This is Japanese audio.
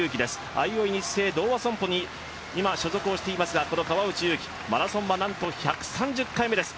あいおいニッセイ同和損保に今、所属していますが、この川内優輝、マラソンは、なんと１３０回目です。